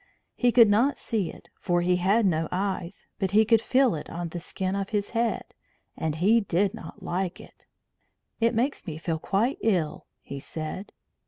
He could not see it, for he had no eyes, but he could feel it on the skin of his head, and he did not like it. "It makes me feel quite ill," he said.